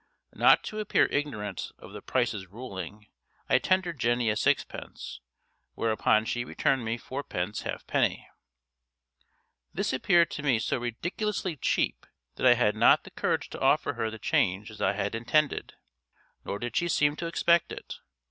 Not to appear ignorant of the prices ruling, I tendered Jenny a sixpence, whereupon she returned me fourpence halfpenny. This appeared to me so ridiculously cheap that I had not the courage to offer her the change as I had intended, nor did she seem to expect it.